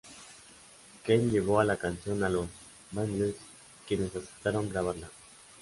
Kahne llevó la canción a las Bangles, quienes aceptaron grabarla.